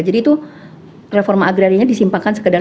jadi itu reforma agrarianya disimpangkan sekedar